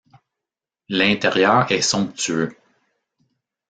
L'intérieur est somptueux.